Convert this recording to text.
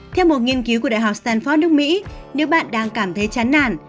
theo một nghiên cứu của đại học stanford nước mỹ nếu bạn đang cảm thấy chán nản